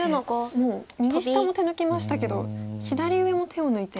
もう右下も手抜きましたけど左上も手を抜いて。